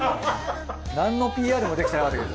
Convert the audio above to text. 何のＰＲもできてなかったけど。